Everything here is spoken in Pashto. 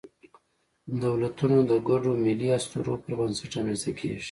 دولتونه د ګډو ملي اسطورو پر بنسټ رامنځ ته کېږي.